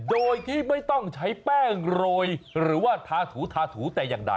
โดยที่ไม่ต้องใช้แป้งโรยหรือว่าทาถูทาถูแต่อย่างใด